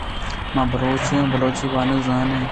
ما بلوچیں ءُ بلوچی وانگ ءُ زانگ